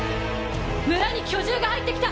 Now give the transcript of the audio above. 村に巨獣が入ってきた！